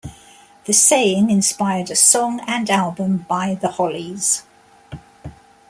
The saying inspired a song and album by The Hollies.